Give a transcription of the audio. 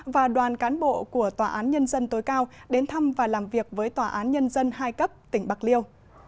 và đoàn cán bộ của tòa án nhân dân tối cao đến thăm và làm việc với tòa án nhân dân hai cấp tỉnh bạc liêu